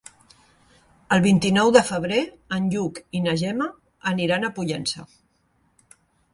El vint-i-nou de febrer en Lluc i na Gemma aniran a Pollença.